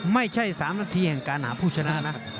ไม่ใช่๓นาทีแห่งการหาผู้ชนะนะ